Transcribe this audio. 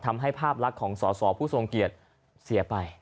ทำให้ภาพลักษณ์ของสอบผู้ทรงเกียจเสียไป